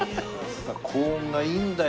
高音がいいんだよ。